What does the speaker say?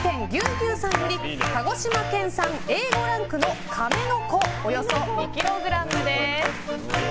牛さんより鹿児島県Ａ５ランクのカメノコおよそ２ｋｇです。